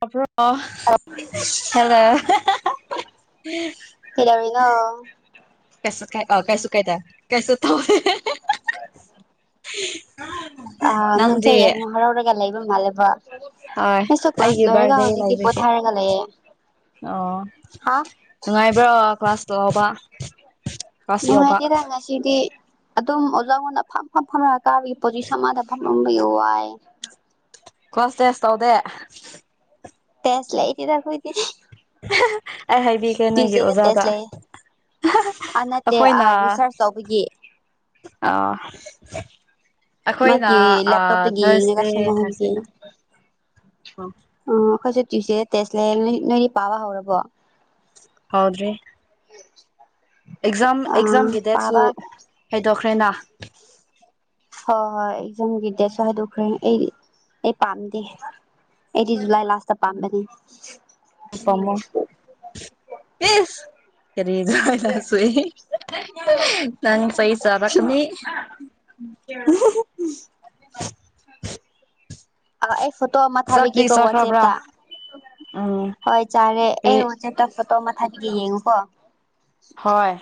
[inaudible] ꯑꯣ ꯍꯜꯂꯣ ꯀꯩꯗꯧꯔꯤꯅꯣ ꯀꯩꯁꯨ ꯀꯩ ꯑꯣ ꯀꯩꯁꯨ ꯀꯥꯢꯗꯦ ꯀꯩꯁꯨ ꯇꯧꯗꯦꯍꯦ ꯑꯥ ꯅꯨꯡꯁ ꯅꯪꯗꯤ ꯑꯃ ꯍꯔꯥꯎꯔꯒ ꯂꯩꯕ ꯃꯥꯜꯂꯦꯕ ꯍꯣꯏ ꯑꯩꯁꯨ ꯀ꯭ꯂꯥꯁ ꯑꯩꯒꯤ ꯂꯣꯏꯔꯒ ꯕꯥꯔꯗꯦ ꯍꯧꯖꯤꯛꯇꯤ ꯂꯩꯕꯒꯤ ꯄꯣꯊꯥꯔꯒ ꯂꯩꯌꯦ ꯑꯣ ꯍꯥ ꯅꯨꯡꯉꯥꯏꯕ꯭ꯔꯣ ꯀ꯭ꯂꯥꯁ ꯇꯧꯕ ꯅꯨꯡꯍꯗꯤ ꯔꯪ ꯁꯤꯗꯤ ꯑꯗꯨꯝ ꯑꯣꯖꯥꯉꯣꯟꯗ ꯐꯝ ꯐꯝ ꯐꯝ ꯀꯥꯕꯒꯤ ꯄꯣꯖꯤꯁꯟ ꯑꯃꯗ ꯐꯝꯂꯝꯕꯒꯤ ꯋꯥꯏꯌꯦ ꯐꯁꯦꯁ ꯍꯧꯗꯦ ꯇꯦꯁ ꯂꯩꯇꯦꯗ ꯑꯩꯈꯣꯏꯗꯤ ꯑꯩ ꯍꯥꯏꯕꯤꯒꯦ ꯅꯣꯏꯒꯤ ꯑꯣꯖꯥꯗ ꯑ ꯅꯠꯇꯦ ꯑ ꯑꯩꯈꯣꯏꯅ ꯔꯤꯁꯥꯔꯁ ꯇꯧꯕꯒꯤ ꯑ ꯑꯩꯈꯣꯏꯅ ꯃꯥꯒꯤ ꯑ ꯂꯦꯞꯇꯣꯞꯇꯒꯤ ꯌꯦꯡꯉꯒ ꯊꯔꯁꯗꯦ ꯊꯥꯔꯁꯗꯦꯗ ꯑꯣ ꯑꯩꯈꯣꯏꯁꯨ ꯇ꯭ꯋꯨꯁꯗꯦ ꯇꯦꯁꯂꯩ ꯅꯣꯏꯅꯤ ꯄꯥꯕ ꯍꯧꯔꯕꯣ ꯍꯧꯗ꯭ꯔꯤ ꯎꯝ ꯑꯦꯛꯖꯥꯝ ꯑꯦꯛꯖꯥꯝꯒꯤ ꯗꯦꯠꯁꯨ ꯍꯥꯏꯩꯗꯣꯛꯈ꯭ꯔꯦꯅ ꯍꯣꯏ ꯍꯣꯏ ꯑꯩꯖꯝꯒꯤꯗꯁꯨ ꯍꯥꯏꯗꯣꯛꯈ꯭ꯔꯦ ꯑꯩ ꯑꯩ ꯄꯥꯝꯗꯦ ꯑꯩꯇꯤ ꯖꯂꯥꯏ ꯂꯥꯁ ꯄꯝꯕꯅꯤ ꯄꯃ ꯌꯦꯁ ꯀꯔꯤ ꯆꯁꯨ ꯅꯪ ꯐꯩ ꯆꯕ ꯀꯅꯤ ꯑꯩ ꯐꯣꯇꯣ ꯑꯃ ꯆꯥꯛꯇꯤ ꯊꯥꯕꯤꯒꯦꯀꯣ ꯆꯥꯈ꯭ꯔꯕ꯭ꯔꯥ ꯋꯥꯆꯦꯞꯇ ꯎꯝ ꯍꯣꯏ ꯆꯥꯔꯦ ꯑꯩ ꯀꯔꯤ ꯠꯇ ꯐꯣꯇꯣ ꯃꯊꯛꯒꯤꯗꯤ ꯌꯦꯡꯉꯨꯀꯣ ꯍꯣꯏ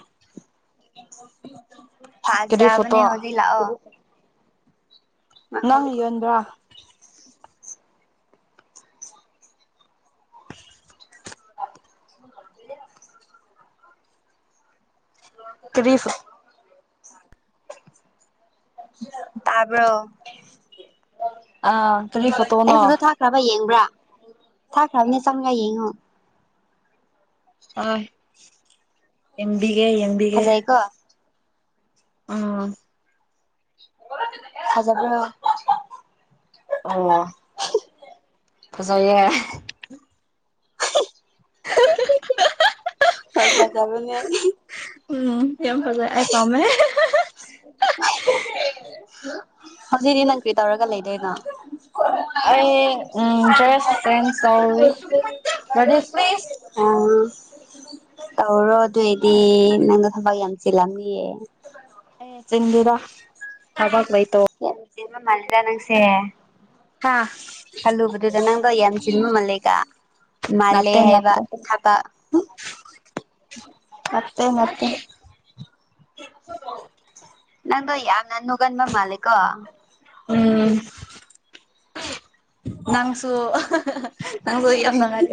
ꯀꯔꯤ ꯐꯖꯥ ꯃꯅꯤ ꯐꯣꯇꯣ ꯍꯧꯖꯤ ꯂꯥꯑꯣ ꯅꯪ ꯉꯥꯏꯈꯣ ꯌꯣꯟꯕ꯭ꯔꯥ [inaudible] ꯇ꯭ꯔꯤꯐ ꯇꯔꯕ꯭ꯔ ꯑꯥ ꯀꯔꯤ ꯑꯩ ꯐꯣꯇꯣꯅꯣ ꯐꯗ ꯊ ꯈ꯭ꯔꯕ ꯌꯦꯡꯕ꯭ꯔꯥ ꯊꯥꯈ꯭ꯔꯕꯅꯤ ꯆꯪꯉ ꯌꯦꯡꯉꯣ ꯑ ꯏꯡꯕꯤꯒꯦ ꯌꯦꯡꯕꯤꯒꯦ ꯐꯖꯩꯀꯣ ꯎꯝ ꯊꯖꯗ꯭ꯔ ꯑꯣ [inaudible] ꯐꯖꯩꯑ ꯍꯣꯏ ꯐꯖꯕꯅꯦ [inaudible] ꯎꯝ ꯌꯥꯝ ꯐꯖꯩ ꯑꯩ ꯄꯥꯝꯃꯦ ꯍꯧꯖꯤꯛꯗꯤ ꯅꯪ ꯀ꯭ꯔꯤ ꯇꯧꯔꯒ ꯂꯩꯗꯣꯏꯅꯣ ꯑꯩ ꯎꯝ ꯆꯁ ꯐ ꯄ ꯑ ꯇꯧꯔꯣ ꯑꯗꯨꯑꯣꯏꯗꯤ ꯅꯪꯗ ꯊꯕꯛ ꯌꯥꯝ ꯆꯤꯜꯂꯝꯃꯤꯌꯦ ꯑꯦ ꯆꯤꯡꯗꯨꯗ ꯊꯕꯛ ꯂꯩꯇꯧ ꯌꯥꯝꯗꯤꯃ ꯃꯜꯗꯅꯪꯁꯦ ꯍꯥ ꯈꯜꯂꯨꯕꯗꯨꯗ ꯅꯪꯗꯣ ꯌꯥꯝ ꯆꯤꯟꯕ ꯃꯥꯜꯂꯦꯒ ꯃꯥꯂꯦ ꯍꯕ ꯀ ꯊꯕ ꯃꯦ ꯃꯦ ꯅꯪꯣ ꯌꯥ ꯅꯪꯨꯒꯟꯕ ꯃꯥꯂꯀꯣ ꯎꯝ ꯉꯥꯡꯁꯨ ꯑ ꯑꯉꯔ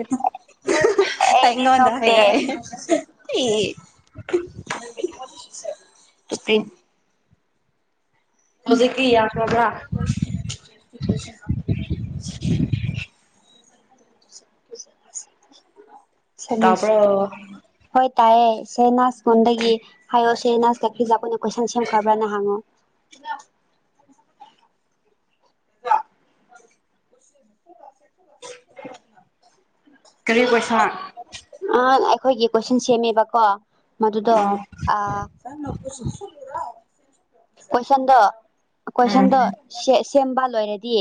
ꯑꯩꯗꯤ ꯑꯉ ꯅꯣꯛꯇꯦ ꯍꯥꯏꯔꯦ ꯑ ꯍꯧꯖꯤꯛꯀꯤ ꯌꯥꯈ꯭ꯔꯕ꯭ꯔꯥ ꯤꯦ ꯇꯥꯕ꯭ꯔꯣ ꯍꯣꯏ ꯇꯥꯏꯌꯦ ꯆꯦꯅꯥꯆ ꯐꯣꯟꯗꯒꯤ ꯍꯥꯏꯌꯣ ꯁꯤꯦ ꯅꯁ ꯀꯈ꯭ꯔꯤꯁ ꯑꯩꯈꯣꯏꯅ ꯀꯣꯏꯁꯟ ꯁꯦꯝꯈ꯭ꯔꯕ꯭ꯔꯥꯅ ꯍꯪꯉꯣ ꯀꯔꯤ ꯄꯩꯁꯥ ꯑ ꯑꯩꯈꯣꯏꯒꯤ ꯀꯣꯏꯁꯟ ꯁꯦꯝꯃꯦꯕꯀꯣ ꯃꯗꯨꯗꯣ ꯑ ꯀꯣꯏꯁꯟꯗ ꯀꯣꯏꯁꯟꯗ ꯁꯦ ꯁꯦꯝꯕ ꯂꯣꯏꯔꯗꯤ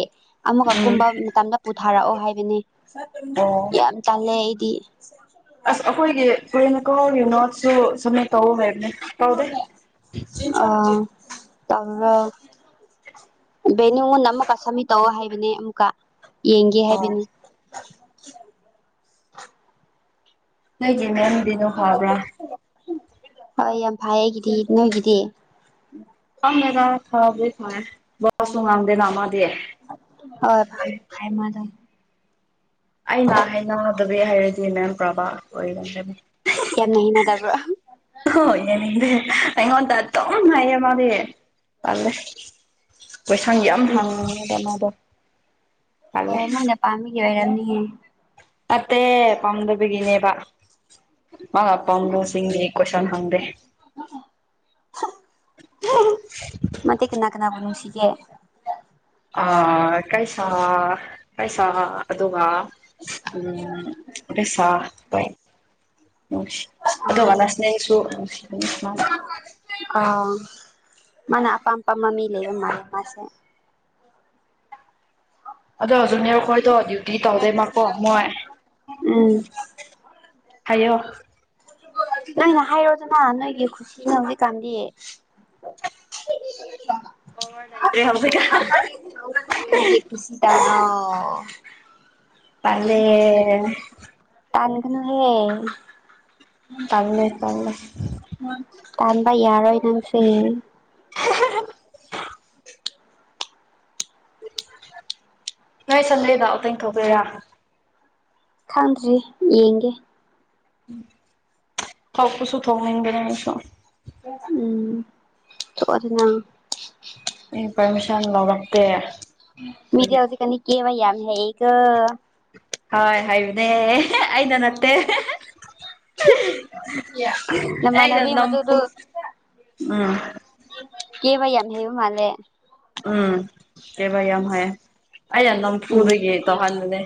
ꯑꯃꯒ ꯀꯨꯝꯕ ꯃꯇꯝꯗ ꯄꯨꯊꯥꯔꯛꯑꯣ ꯍꯥꯏꯕꯅꯦ ꯌꯥꯝ ꯇꯜꯂꯦ ꯑꯩꯗꯤ ꯑꯁ ꯑꯩꯈꯣꯏꯒꯤ [unintelligible] ꯅꯣꯠꯁꯨ ꯁꯃꯤꯠ ꯇꯧ ꯍꯥꯏꯕꯅꯦ ꯇꯧꯗꯦ ꯑ ꯇꯧꯋꯣ ꯕꯦꯅꯨꯉꯣꯟꯗ ꯑꯃꯨꯛꯀ ꯁꯃꯤꯠ ꯇꯧꯋꯣ ꯍꯥꯏꯕꯅꯦ ꯑꯃꯨꯛꯀ ꯌꯦꯡꯒꯦ ꯑꯣ ꯍꯥꯏꯕꯅꯦ [unintelligible] ꯍꯣꯏ ꯌꯥꯝ ꯐꯥꯢ ꯑꯩꯒꯤꯗꯤ ꯅꯣꯏꯒꯤꯗꯤ ꯈꯪꯗꯦꯗ ꯐꯥꯕꯗꯤ ꯐꯥꯢ ꯋꯥꯁꯨ ꯉꯥꯡꯗꯦꯅ ꯃꯥꯗꯤ ꯑ ꯐꯕꯗꯤ ꯐꯩ ꯃꯥꯗꯣ ꯑꯩꯅ ꯍꯥꯏꯅꯗꯕꯣ ꯍꯥꯏꯔꯗꯤ ꯃꯦꯝ ꯄ꯭ꯔꯕꯥ ꯑꯣꯏꯔꯝꯒꯅꯤ ꯌꯥꯝꯅ ꯍꯩꯅꯗꯕ꯭ꯔꯥ ꯍꯣꯢ ꯌꯦꯅꯤꯗꯦ ꯑꯩꯉꯣꯟꯗ ꯑꯗꯨꯝ ꯂꯩꯌꯦ ꯃꯥꯗꯤ ꯇꯜꯂꯦ ꯀꯣꯏꯁꯟ ꯌꯥꯝ ꯑꯣ ꯍꯪꯉꯦꯕ ꯃꯥꯗꯣ ꯇꯜꯂꯦ ꯑꯣ ꯃꯣꯏꯅ ꯄꯥꯝꯕꯒꯤ ꯐꯣꯢꯔꯝꯅꯤꯌꯦ ꯅꯠꯇꯦ ꯄꯥꯝꯗꯕꯤꯒꯤꯅꯦꯕ ꯃꯥꯅ ꯑꯄꯥꯥꯝꯕꯨꯁꯤꯡꯗꯤ ꯀꯣꯏꯁꯟ ꯍꯪꯗꯦ ꯃꯥꯗꯤ ꯀꯅꯥ ꯀꯅꯥ ꯅꯨꯡꯁꯤꯒꯦ ꯑꯥ ꯀꯩꯁꯥ ꯀꯩꯁꯥ ꯑꯗꯨꯒ ꯎꯝ [unintelligible] ꯑꯥ ꯑꯗꯣꯒ [unintelligible] ꯅꯨꯡꯁꯤꯕꯅꯦ ꯃꯥꯁꯦ ꯑ ꯃꯥꯅ ꯑꯄꯥꯝ ꯑꯄꯥꯝꯕ ꯃꯤ ꯂꯩꯕ ꯃꯥꯜꯂꯦ ꯃꯥꯁꯦ ꯑꯗꯣ ꯖꯨꯅꯤꯌꯔꯔ ꯈꯣꯏꯗꯣ ꯗ꯭ꯌꯨꯇꯤ ꯇꯧꯗꯦꯃꯀꯣ ꯃꯣꯏ ꯎꯝ ꯍꯥꯏꯌꯣ ꯅꯩꯅ ꯍꯥꯏꯔꯣꯗꯅ ꯅꯣꯏꯒꯤ ꯈꯨꯁꯤꯅ ꯍꯧꯖꯤꯛꯀꯥꯟꯗꯤ [unintelligible] ꯅꯪꯒꯤ ꯈꯨꯁꯤ ꯇꯧꯔꯣ ꯇꯥꯜꯂꯦ ꯇꯥꯟꯒꯅꯨꯍꯦ ꯇꯜꯂꯦ ꯇꯜꯂꯦ ꯇꯥꯟꯕ ꯌꯥꯔꯣꯢ ꯅꯪꯁꯦ [unintelligible] [inaudible] ꯅꯣꯏ ꯁꯟꯗꯦꯗ ꯑꯥꯎꯇꯤꯡ ꯇꯧꯗꯣꯢꯔꯥ ꯈꯪꯗ꯭ꯔꯤ ꯌꯦꯡꯒꯦ ꯊꯣꯛ ꯄꯁꯨ ꯊꯣꯛꯅꯤꯗꯦꯅꯦ ꯑꯩꯁꯨ ꯎꯝ [unintelligible] ꯑꯩ ꯄꯥꯔꯃꯤꯁꯟ ꯂꯧꯔꯛꯇꯦ ꯃꯤꯗꯤ ꯑꯗꯨꯒꯤ ꯍꯧꯖꯤꯛꯀꯥꯟꯗꯤ ꯀꯦꯕ ꯌꯥꯝ ꯍꯩꯌꯦꯀꯣ ꯍꯣꯏ ꯍꯩꯕꯅꯦ ꯑꯩꯅ ꯅꯠꯇꯦ ꯑꯩꯅ ꯅꯃꯥꯟꯅꯕꯤ ꯅꯝꯐꯨ ꯃꯗꯨꯗꯨ ꯎꯝ ꯀꯦꯕ ꯌꯥꯝ ꯍꯦꯕ ꯃꯥꯜꯂꯦ ꯎꯝ ꯀꯦꯕꯥ ꯌꯥꯝ ꯍꯩ ꯑꯩꯩꯅ ꯎꯝ ꯅꯝꯐꯨꯗꯒꯤ ꯇꯩꯍꯟꯕꯅꯦ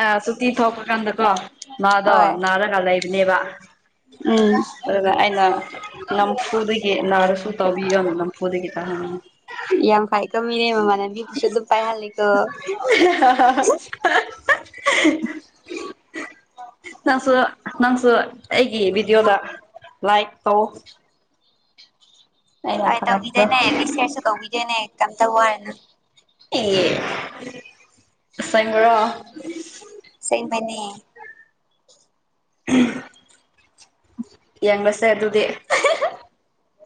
ꯑ ꯁꯨꯇꯤ ꯊꯣꯛꯄꯀꯥꯟꯗ ꯀꯣ ꯃꯥꯗꯣ ꯍꯣꯏ ꯅꯥꯔꯒ ꯂꯩꯕꯅꯦꯕ ꯎꯝ ꯑꯗꯨꯗ ꯑꯩꯅ ꯅꯝꯐꯨꯗꯒꯤ ꯅꯥꯔꯁꯨ ꯇꯧꯕꯤꯌꯝ ꯅꯝꯐꯨꯗꯒꯤ ꯇꯧꯍꯟꯕꯅꯤ ꯌꯥꯝ ꯐꯥꯏꯀꯣ ꯃꯤꯗꯤ ꯃꯃꯥꯟꯅꯕꯤ ꯗꯨꯁꯨ ꯗꯨꯝ ꯄꯥꯏ ꯍꯜꯂꯤꯀꯣ ꯅꯪꯁꯨ ꯅꯪꯁꯨ ꯑꯩꯒꯤ ꯚꯤꯗꯤꯌꯣꯗ ꯂꯥꯏꯛ ꯇꯧ ꯑꯩꯅ ꯍꯣꯏ ꯊꯥꯒꯠꯄꯗꯣ ꯇꯧꯕꯤꯗꯣꯢꯅꯦ ꯔꯤꯁꯤꯔꯁꯨ ꯇꯧꯕꯤꯗꯣꯢꯅꯦ ꯀꯩꯝꯇ ꯌꯥꯔꯨꯅꯨ ꯍꯦꯁꯥꯏꯕꯔꯣ [inaudible] ꯑꯁꯦꯡꯕꯅꯦ ꯎꯝ [inaudible] ꯌꯦꯡ ꯂꯁꯦ ꯑꯗꯨꯗꯤ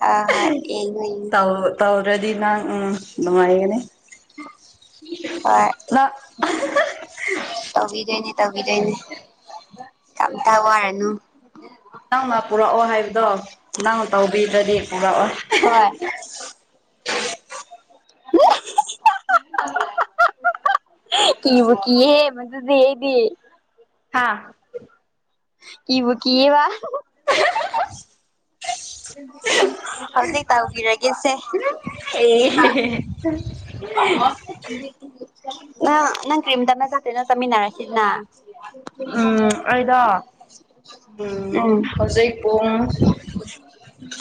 ꯍꯣꯏ ꯍꯣꯏ ꯌꯦꯡꯉꯣ ꯌꯦꯡꯉꯣ ꯇꯥꯎ ꯇꯧꯔꯗꯤ ꯅꯪ ꯎꯝ ꯅꯨꯡꯉꯥꯏꯒꯅꯤ ꯍꯣꯏ ꯅꯪ ꯇꯧꯕꯤꯒꯩꯅꯤ ꯇꯧꯕꯤꯗꯩꯅꯤ ꯀꯩꯝꯇ ꯋꯥꯔꯅꯨ ꯅꯪꯅ ꯄꯨꯔꯛꯑꯣ ꯍꯥꯏꯕꯗꯣ ꯅꯪꯅ ꯇꯧꯕꯤꯗꯗꯤ ꯄꯨꯔꯛꯑꯣ ꯍꯣꯏ [unintelligible] ꯀꯕꯨ ꯀꯍꯦ ꯃꯗꯨꯗꯤꯗꯤ ꯍꯥꯥ ꯀꯤꯕꯨ ꯀꯤꯌꯦꯕ ꯍ [inaudible] ꯍꯧꯖꯤꯛ ꯇꯧꯕꯤꯔꯒꯦꯁꯦ ꯑꯦ ꯅꯪ ꯀ꯭ꯔꯤꯝ ꯇꯅ ꯆꯦꯅ ꯆꯃꯤꯅꯔꯥꯁꯤꯗꯅ ꯎꯝ ꯑꯩꯗꯣ ꯎꯝ ꯍꯧꯖꯤꯛ ꯄꯨꯡ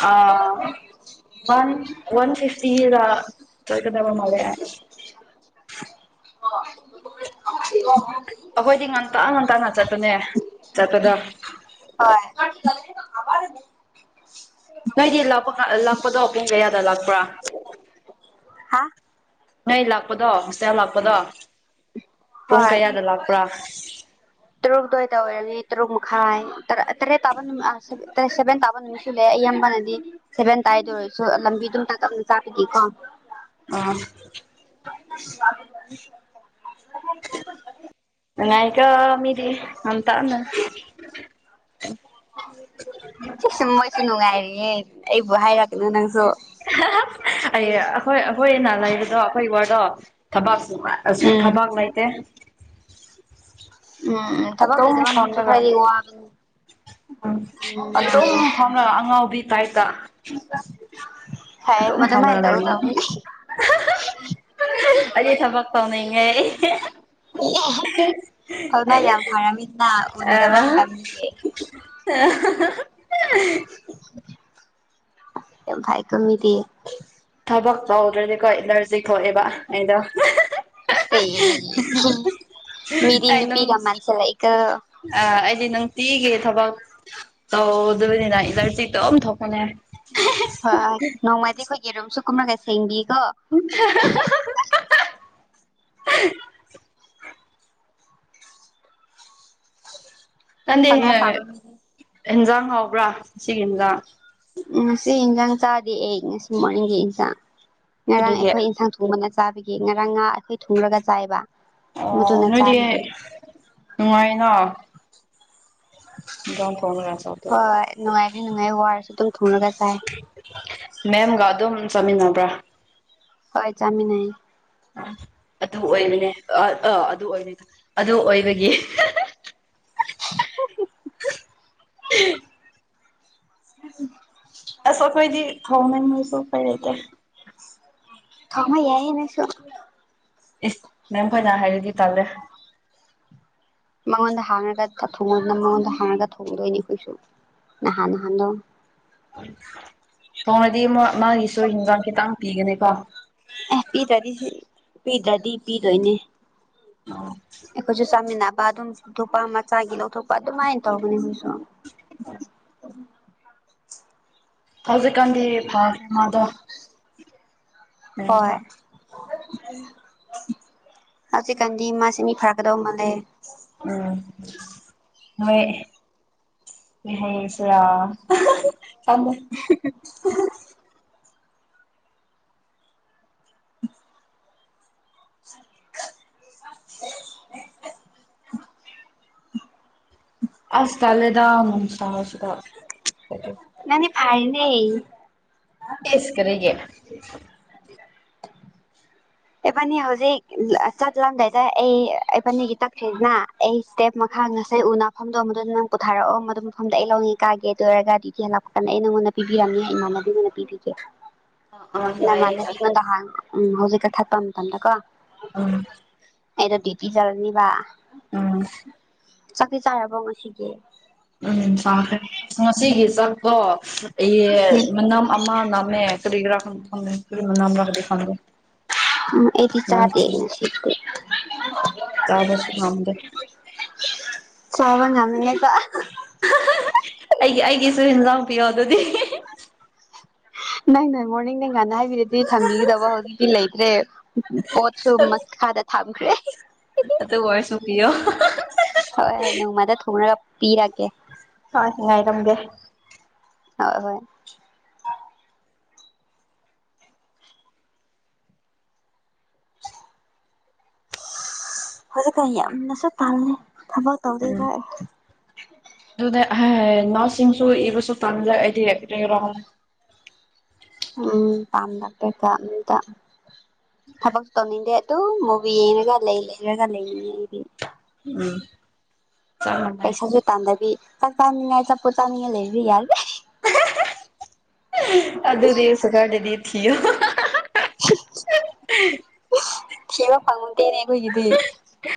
ꯑ ꯋꯥꯟ ꯋꯥꯟ ꯐꯤꯞꯇꯤꯗ ꯃꯜꯂꯦ [inaudible] ꯑꯩꯈꯣꯏꯗꯤ ꯉꯟꯇ ꯉꯟꯇꯅ ꯆꯠꯄꯅꯦ ꯆꯠꯄꯗꯣ ꯍꯣꯏ ꯅꯣꯏꯗꯤ ꯂꯥꯛꯄ ꯂꯥꯛꯄꯗꯣ ꯄꯨꯡ ꯀꯌꯥꯗ ꯂꯥꯛꯄ꯭ꯔꯥ ꯍꯥ ꯅꯣꯏ ꯂꯥꯛꯄꯗꯣ ꯍꯣꯇꯦꯜ ꯂꯥꯛꯄꯗꯣ ꯄꯨꯡ ꯍꯣꯏ ꯀꯌꯥꯗ ꯂꯥꯛꯄ꯭ꯔꯥ ꯇꯔꯨꯛꯇ ꯇꯣꯏ ꯇꯧꯔꯅꯤ ꯇꯔꯨꯛ ꯃꯈꯥꯏ ꯇꯔꯦꯠ ꯇꯥꯕ ꯅꯨꯃꯤꯠ ꯑ ꯁꯦꯚꯦꯟ ꯇꯥꯕ ꯑꯩꯁꯨ ꯂꯩ ꯢꯌꯥꯝꯕꯅꯗꯤ ꯁꯦꯚꯦꯟ ꯇꯥꯏꯗ ꯑꯣꯏꯔꯁꯨ ꯂꯝꯕꯤꯗꯨꯝ ꯇꯥꯛꯑꯝꯅꯤ ꯇꯥꯛꯄꯨꯗꯤꯀꯣ ꯑꯥ [inaudible] [unintelligible] ꯅꯨꯡꯉꯥꯢꯒꯢ ꯃꯤꯗꯤ ꯉꯥꯟꯇꯅ ꯁꯤ ꯁꯨꯝ ꯃꯣꯏꯁꯨ ꯅꯨꯡꯉꯥꯏꯔꯤꯌꯦꯦ ꯑꯩꯕꯨ ꯍꯥꯏꯔꯛꯀꯅꯨ ꯅꯪꯁꯨ ꯑꯩ ꯑꯩꯈꯣꯏ ꯑꯩꯈꯣꯏꯅ ꯂꯩꯕꯗꯣ ꯑꯩꯈꯣꯏ ꯢꯋꯥꯗꯣ ꯊꯕꯥꯛ ꯎꯝ ꯊꯕꯥꯛ ꯂꯩꯇꯦ ꯎꯝ ꯊꯕ ꯑꯗꯨꯝ ꯂꯩ ꯊꯕ ꯊꯨꯁꯨ ꯐꯝꯔꯒ ꯈꯔꯗꯤꯒ ꯎꯝ ꯑꯗꯨꯝ ꯐꯥꯎꯅ ꯑꯉꯥꯎꯕꯤ ꯇꯥꯏꯇ ꯐꯩꯌꯦ ꯑꯗꯨ ꯃꯗꯨꯃꯥꯏꯅ ꯐꯖꯅ ꯂꯩ ꯇꯧꯒꯗꯧꯕꯅꯤ ꯑꯩ ꯊꯕꯛ ꯇꯧꯅꯤꯡꯉꯦ ꯐꯥꯎꯅ ꯌꯥꯝ ꯐꯔꯝꯃꯤꯗꯅ ꯎꯅꯗꯕ ꯑꯥ ꯃꯇꯝꯗꯒꯤ ꯑ ꯍ ꯍ ꯍ ꯌꯥꯝ ꯊꯥꯏ ꯀꯣ ꯃꯤꯗꯤ ꯊꯕꯛ ꯇꯧꯗ꯭ꯔꯗꯤꯀꯣ ꯑꯦꯂꯔꯖꯤ ꯊꯣꯛꯑꯦꯕ ꯑꯩꯅꯣ ꯃꯤꯗꯤ ꯏ ꯑꯩ ꯅꯨꯡ ꯅꯨꯄꯤꯒ ꯃꯁꯤ ꯂꯥꯏꯀ ꯑ ꯑꯩꯗꯤ ꯅꯨꯡꯇꯤꯒꯤ ꯊꯕꯛ ꯇꯧꯗꯕꯅꯤꯅ ꯏꯂꯔꯖꯤꯛꯇꯣꯝ ꯊꯣꯛꯄꯅꯦ ꯍꯣꯏ ꯅꯣꯡꯃꯗꯤ ꯑꯩꯈꯣꯏꯒꯤꯔꯨꯝꯝꯁꯨ ꯀꯨꯝꯅꯒ ꯁꯦꯡꯕꯤꯀꯣ ꯍꯥ ꯍꯥ ꯀꯟꯗꯦ ꯐꯅ ꯐꯕ ꯃꯤꯗꯤ ꯏꯟꯖꯥꯡ ꯍꯥꯎꯕ꯭ꯔꯥ ꯁꯤꯒꯤ ꯏꯟꯖꯥꯡ ꯉꯁꯤ ꯏꯟꯁꯥꯡ ꯆꯥꯗꯦ ꯑꯩ ꯉꯁꯤ ꯃꯣꯔꯅꯤꯡꯒꯤ ꯏꯟꯁꯥꯡ ꯉꯔꯥꯡ ꯀꯔꯤꯒꯤ ꯑꯩꯈꯣꯏ ꯏꯟꯁꯥꯡ ꯊꯣꯡ ꯊꯣꯡꯕꯅ ꯆꯥꯕꯤꯒꯦ ꯉꯔꯥꯡ ꯉꯥ ꯑꯩꯈꯣꯏ ꯊꯨꯡꯨꯔꯒ ꯆꯥꯏꯕ ꯑꯣ ꯃꯗꯨꯅ ꯅꯣꯏꯗꯤ ꯆꯥꯕꯤꯒꯦ ꯅꯨꯡꯉꯥꯏꯅ ꯝ ꯐꯥꯎꯅꯔꯁꯗ [inaudible] ꯅꯨꯡꯉꯥꯏꯈ ꯅꯨꯡꯉꯥꯏ ꯋꯥꯔꯁꯨ ꯑꯗꯨꯝ ꯊꯣꯡꯉꯒ ꯆꯥꯏ ꯃꯦꯝꯒ ꯑꯗꯨꯝ ꯆꯠꯃꯤꯟꯅꯕ꯭ꯔꯥ ꯍꯣꯏ ꯆꯠꯃꯤꯟꯅꯩ ꯑꯗꯨ ꯑꯣꯏꯕꯅꯦ ꯑ ꯑꯥ ꯑꯗꯨ ꯑꯣꯏꯕꯅꯤꯗ ꯑꯗꯨ ꯑꯣꯏꯕꯒꯤ [inaudible] ꯑꯁ ꯑꯩꯈꯣꯏꯗꯤ ꯊꯣꯡꯅꯦ ꯃꯣꯏꯁꯨ ꯀꯩ ꯂꯩꯇꯦ ꯈꯥꯃꯣ ꯌꯥꯏꯌꯦ ꯅꯪꯁꯨ ꯏꯁ ꯃꯦꯝ ꯈꯣꯏꯅ ꯍꯥꯏꯔꯗꯤ ꯇꯥꯜꯂꯦ ꯃꯉꯣꯟꯗ ꯍꯥꯡꯉꯒ ꯊꯣꯡꯉꯅ ꯃꯉꯣꯟꯗ ꯍꯥꯡꯉꯒ ꯊꯣꯡꯒꯗꯣꯏꯅꯤ ꯑꯩꯈꯣꯏꯁꯨ ꯅꯍꯥꯟ ꯅꯍꯥꯟꯗꯣ ꯊꯣꯡꯅꯗꯤ ꯃꯥꯒꯤꯁꯨ ꯍꯟꯖꯥꯡ ꯈꯤꯇꯪ ꯄꯤꯒꯅꯤꯀꯣ ꯑꯦ ꯄꯤꯗ꯭ꯔꯗꯤ ꯁꯤ ꯄꯤꯗ꯭ꯔꯗꯤ ꯄꯤꯗꯣꯏꯅꯦ ꯑꯩꯈꯣꯏꯁꯨ ꯆꯥꯃꯤꯟꯅꯕ ꯑꯗꯨꯝ ꯊꯄꯥ ꯑꯃ ꯃꯆꯥꯒꯤꯗꯣ ꯊꯣꯛꯄ ꯑꯗꯨꯃꯥꯏꯅ ꯇꯧꯕꯅꯦ ꯃꯣꯢꯁꯨ ꯑ ꯍꯧꯖꯤꯛꯀꯥꯟꯗꯤ ꯐꯥꯁ ꯃꯥꯗꯣ ꯍꯣꯏ ꯎꯝ ꯍꯧꯖꯤꯛꯀꯥꯟꯗꯤ ꯃꯥꯁꯤ ꯃꯤ ꯐꯔꯛꯀꯗꯧ ꯃꯥꯟꯗꯦ ꯎꯝ ꯍꯣꯏ [unintelligible] [inaudible] ꯑꯁ ꯇꯜꯂꯦꯗ ꯅꯨꯡꯁꯥꯁꯤꯗ ꯃꯤ ꯐꯥꯏꯅꯦ ꯏꯁ ꯀꯔꯤꯒꯤ ꯏꯕꯥꯅꯤ ꯍꯧꯖꯤꯛ ꯆꯠꯂꯝꯗꯥꯏꯗ ꯑꯩ ꯏꯕꯥꯅꯤꯒꯤ ꯆꯠꯈ꯭ꯔꯤꯁꯤꯅ ꯑꯩ ꯏꯁꯇꯦꯞ ꯃꯈꯥ ꯉꯁꯥꯏ ꯎꯅꯐꯝꯗꯣ ꯃꯗꯨꯗ ꯅꯪ ꯄꯨꯊꯥꯔꯛꯑꯣ ꯃꯗꯨ ꯃꯐꯝꯗ ꯑꯩ ꯂꯧꯒꯦ ꯀꯥꯒꯦ ꯑꯗꯨ ꯑꯣꯏꯔꯒꯗꯤ ꯍꯂꯛꯄ ꯀꯟ ꯑꯩ ꯅꯉꯣꯟꯗ ꯄꯤꯕꯤꯔꯝꯅꯤ ꯏꯃꯥꯟꯅꯕꯤ ꯄꯤꯕꯤꯗꯦ [inaudible] ꯌꯥꯏꯌꯦ ꯅꯃꯥꯟꯅꯕꯤ ꯌꯥꯏ ꯑꯩꯉꯣꯟꯗ ꯍꯥꯟꯅ ꯎꯝ ꯍꯧꯖꯤꯛ ꯀꯛꯊꯠꯄ ꯃꯇꯝꯗꯀꯣ ꯎꯝ ꯑꯩꯗꯣ ꯗ꯭ꯌꯨꯇꯤ ꯆꯠꯂꯅꯤꯕ ꯎꯝ ꯆꯥꯛꯇꯤ ꯆꯥꯔꯕꯣ ꯉꯁꯤꯒꯤ ꯎꯝ ꯁꯥꯈ꯭ꯔꯦ ꯑ ꯉꯁꯤꯒꯤ ꯆꯥꯛꯇꯣ ꯃꯅ ꯑꯃ ꯅꯝꯃꯦ ꯀꯔꯤꯒꯤꯔ ꯈꯪꯗꯦ ꯀꯔꯤꯃ ꯅꯝ ꯔꯥꯗꯤ ꯈꯪꯗꯦ ꯎꯝ ꯑꯩꯗꯤ ꯆꯥꯗ ꯅꯝꯊꯤ ꯁꯤꯀ ꯆꯥꯕꯁꯨ ꯉꯝꯗꯦ ꯆꯕ ꯉꯝꯅꯦꯕ ꯑꯩꯒꯤ ꯑꯩꯒꯤꯁꯨ ꯌꯦꯟꯖꯥꯡ ꯄꯤꯌꯣ ꯑꯗꯨꯗꯤ ꯅꯪ ꯅꯪ ꯃꯣꯔꯅꯤꯡ ꯅꯪ ꯉꯥꯟꯅ ꯍꯥꯏꯕꯤꯔꯗꯤ ꯊꯝꯕꯤꯒꯗꯕ ꯍꯧꯖꯤꯛꯇꯤ ꯂꯩꯇ꯭ꯔꯦ ꯄꯣꯠꯁꯨ ꯃꯈꯥꯗ ꯊꯝꯈ꯭ꯔꯦ ꯑꯗꯨ ꯑꯣꯏꯔꯁꯨ ꯄꯤꯌꯣ ꯍꯣꯏ ꯍꯣꯏ ꯅꯣꯡꯃ ꯊꯣꯢꯉꯒ ꯄꯤꯔꯒꯦ ꯍꯣꯏ ꯉꯥꯏꯔꯝꯒꯦ ꯑ ꯍꯣꯏ [unintelligible] ꯍꯧꯖꯤꯛꯀ ꯌꯥꯝꯅꯁꯨ ꯇꯜꯂꯤ ꯊꯕꯛ ꯇꯧꯗꯣꯏ ꯈꯔ ꯑꯗꯨꯗ ꯅꯁꯁꯤꯡꯁꯨ ꯏꯕꯁꯨ ꯐꯪꯗꯦ ꯑꯩꯗꯤ ꯎꯝ ꯇꯥꯝꯗꯇꯦ ꯇꯥꯝꯇ ꯊꯕꯛ ꯇꯧꯅꯤꯡꯗꯦ ꯑꯗꯨꯝ ꯃꯨꯕꯤ ꯌꯦꯡꯉꯒ ꯂꯩ ꯂꯩꯔꯒ ꯂꯩꯅꯤꯡꯉꯦ ꯑꯩꯗꯤ ꯎꯝ ꯆꯞ ꯃꯥꯟꯅꯩ ꯄꯩꯁꯥꯁꯨ ꯇꯥꯟꯗꯕꯤ ꯆꯥꯛ ꯆꯥꯅꯤꯉꯥꯏ ꯑꯆꯥ ꯄꯣꯠ ꯆꯥꯅꯤꯡꯉꯥꯏ ꯂꯩꯕꯗꯤ ꯌꯥꯏ ꯑꯗꯨ ꯑꯗꯨꯗꯤ ꯁꯇꯔꯇꯦꯗꯤ ꯊꯤꯌꯣ ꯊꯤꯕ ꯐꯪꯗꯦꯅꯦ ꯑꯩꯈꯣꯏꯒꯤꯗꯤ